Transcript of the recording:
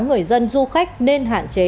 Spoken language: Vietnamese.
người dân du khách nên hạn chế